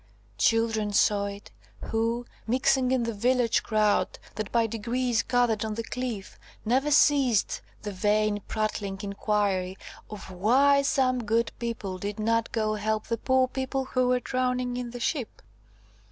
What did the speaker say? Children saw it, who, mixing in the village crowd that by degrees gathered on the cliff, never ceased the vain prattling inquiry of why some good people did not go help the poor people who were drowning in the ship?